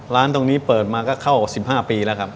ร้านตรงนี้เปิดมาก็เข้า๑๕ปีแล้วครับ